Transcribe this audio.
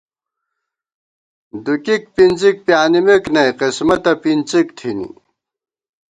دُکِک پِنزِک پیانِمېک نئ ، قسمَتہ پِنڅِک تھِنی